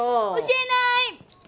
教えない！